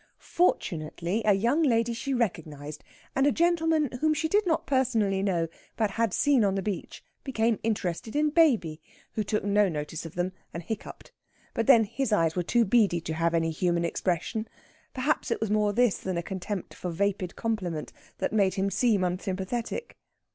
Fortunately, a young lady she recognised, and a gentleman whom she did not personally know, but had seen on the beach, became interested in baby, who took no notice of them, and hiccupped. But, then, his eyes were too beady to have any human expression; perhaps it was more this than a contempt for vapid compliment that made him seem unsympathetic.